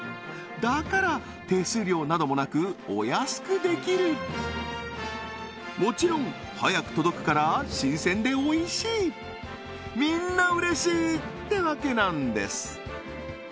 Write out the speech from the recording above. だから手数料などもなくお安くできるもちろん早く届くから新鮮でおいしいみんなうれしいってわけなんです